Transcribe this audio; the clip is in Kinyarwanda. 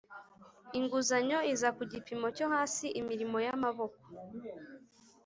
inguzanyo iza ku gipimo cyo hasi Imirimo y amaboko